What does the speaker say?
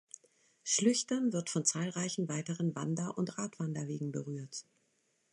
Schlüchtern wird von zahlreichen weiteren Wander- und Radwanderwegen berührt.